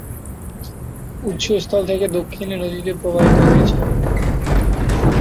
উৎস স্থল থেকে দক্ষিণে নদীটি প্রবাহিত হয়েছে।